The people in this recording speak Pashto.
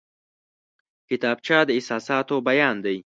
کتابچه د احساساتو بیان دی